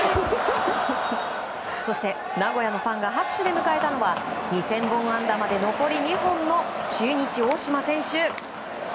そして名古屋のファンが拍手で迎えたのは２０００本安打まで残り２本の中日、大島選手。